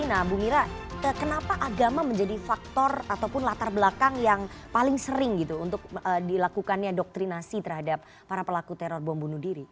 nah bu mira kenapa agama menjadi faktor ataupun latar belakang yang paling sering gitu untuk dilakukannya doktrinasi terhadap para pelaku teror bom bunuh diri